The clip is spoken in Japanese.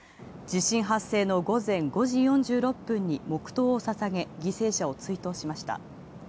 地震発生の午前５時４６分に黙祷をささげ犠牲者を追悼しました。